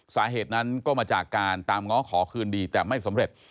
สาเหตุนั้นก็มาจากการตามง้อขอคืนดีแต่ไม่สำเร็จ